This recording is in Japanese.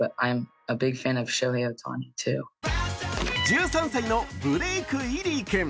１３歳のブレーク・イリー君。